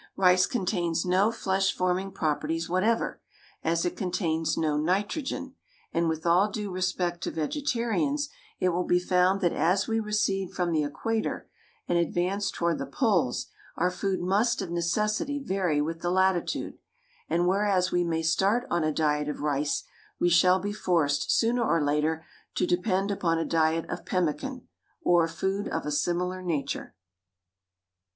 Rice contains no flesh forming properties whatever, as it contains no nitrogen; and with all due respect to vegetarians, it will be found that as we recede from the Equator and advance towards the Poles our food must of necessity vary with the latitude, and, whereas we may start on a diet of rice, we shall be forced, sooner or later, to depend upon a diet of pemmican, or food of a similar nature.